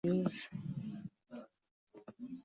Alipata pesa nyingi juzi